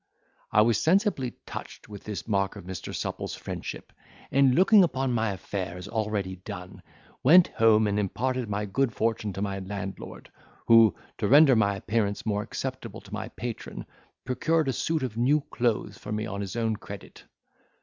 I was sensibly touched with this mark of Mr. Supple's friendship; and looking upon my affair as already done, went home and imparted my good fortune to my landlord, who, to render my appearance more acceptable to my patron, procured a suit of new clothes for me on his own credit.